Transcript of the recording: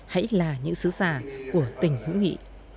hãy là những xứ xả của tình hữu nghị